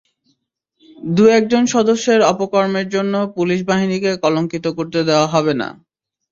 দু-একজন সদস্যের অপকর্মের জন্য পুলিশ বাহিনীকে কলঙ্কিত করতে দেওয়া হবে না।